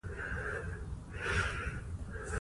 ذهن يو سافټ وئېر دے